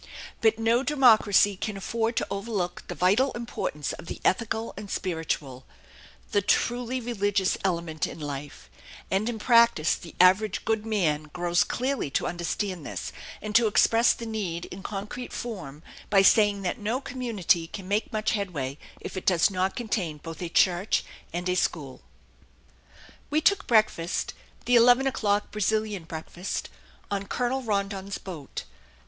But no democracy can afford to overlook the vital importance of the ethical and spiritual, the truly religious, element in life; and in practice the average good man grows clearly to understand this, and to express the need in concrete form by saying that no community can make much headway if it does not contain both a church and a school. We took breakfast the eleven o'clock Brazilian breakfast on Colonel Rondon's boat.